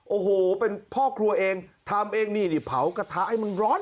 โอ้โหเป็นพ่อครัวเองทำเองนี่นี่เผากระทะให้มึงร้อน